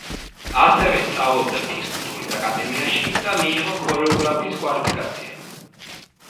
ასევე სწავლობდა ფიზკულტურის აკადემიაში და მიიღო ქორეოგრაფის კვალიფიკაცია.